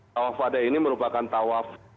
tawaf wadah ini merupakan tawaf